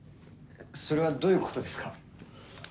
それはどういうことですか？